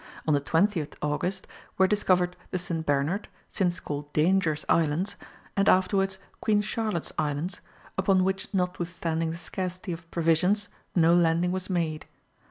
On the 20th August were discovered the St. Bernard, since called Dangerous Islands, and afterwards Queen Charlotte's Islands, upon which notwithstanding the scarcity of provisions, no landing was made.